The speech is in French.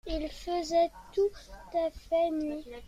Il faisait tout à fait nuit.